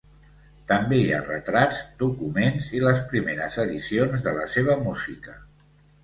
També hi ha retrats, documents i les primeres edicions de la seva música.